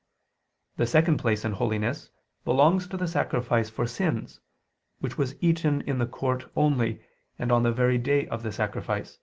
The second place in holiness, belongs to the sacrifice for sins, which was eaten in the court only, and on the very day of the sacrifice (Lev.